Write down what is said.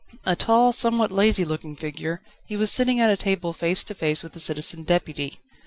A tall, somewhat lazy looking figure, he was sitting at a table face to face with the Citizen Deputy.